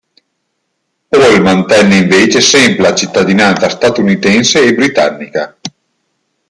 Paul mantenne invece sempre la cittadinanza statunitense e britannica.